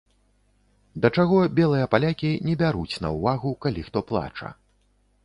Да чаго белыя палякі не бяруць на ўвагу, калі хто плача.